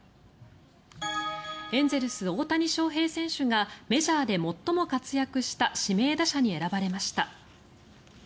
エンゼルス、大谷翔平選手がメジャーで最も活躍した指名打者に選ばれました。